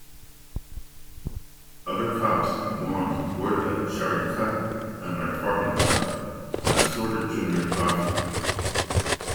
Other cups won were the Charity Cup and McFarlane Cup and assorted Junior trophies.